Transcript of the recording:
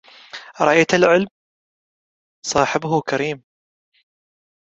رأيت العلم صاحبه كريم